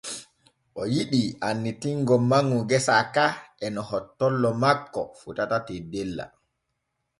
O yiɗi annitingo manŋu gesa ka e no hottollo makko fotata teddella.